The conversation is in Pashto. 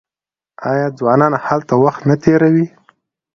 آیا ځوانان هلته وخت نه تیروي؟